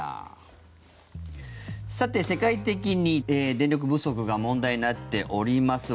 さて、世界的に電力不足が問題になっております。